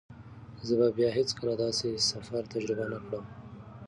زه به بیا هیڅکله داسې سفر تجربه نه کړم.